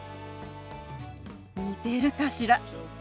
似てるかしら？